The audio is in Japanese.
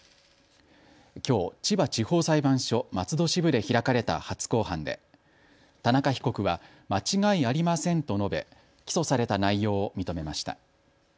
きょう千葉地方裁判所松戸支部で開かれた初公判で、田中被告は間違いありませんと述べ起訴された内容を認めました。